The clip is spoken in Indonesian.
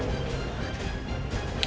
ada seseorang yang ganti passwordnya roy